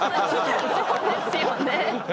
そうですよね。